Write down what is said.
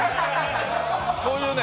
そういうね